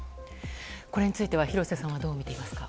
これについては廣瀬さんはどうみていますか。